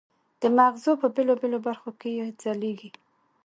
د مغزو په بېلابېلو برخو کې یې ځلېږي.